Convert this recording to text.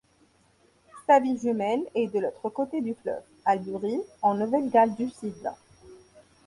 Sa ville jumelle est, de l'autre côté du fleuve, Albury, en Nouvelle-Galles du Sud.